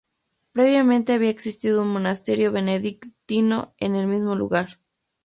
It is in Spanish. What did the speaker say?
Previamente había existido un monasterio benedictino en el mismo lugar.